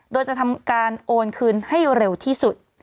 โดยจะทำการโอนคืนให้เร็วที่สุด